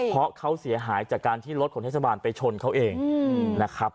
เพราะเขาเสียหายจากการที่รถของเทศบาลไปชนเขาเองนะครับ